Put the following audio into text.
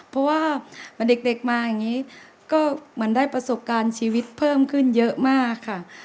เพราะว่าเด็กมาอย่างนี้ก็เหมือนได้ประสบการณ์ชีวิตเพิ่มขึ้นเยอะมากค่ะ